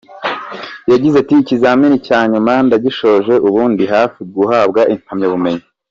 Yagize ati, “ikizamini cya nyuma ndagshoje ubu ndi hafi guhabwa impamyabumenyi.